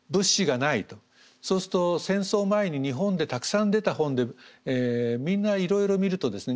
そうすると戦争前に日本でたくさん出た本でみんないろいろ見るとですね